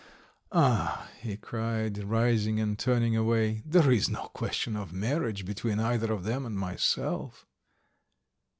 "Ah!" he cried, rising and turning away. "There is no question of marriage between either of them and myself."